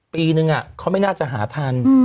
ปีนึงเขาไม่น่าจะหาทัน